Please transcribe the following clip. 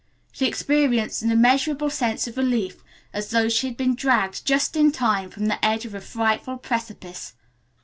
She experienced an immeasurable sense of relief, as though she had been dragged, just in time, from the edge of a frightful precipice.